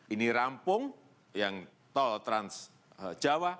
ini rampung yang tol trans jawa